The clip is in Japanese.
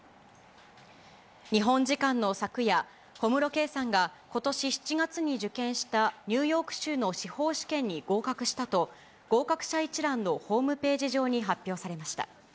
日本時間の昨夜、小室圭さんがことし７月に受験したニューヨーク州の司法試験に合格したと、合格者一覧のホームページ上に発表されました。